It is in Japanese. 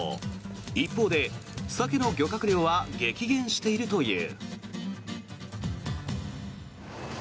一方で、サケの漁獲量は激減しているという。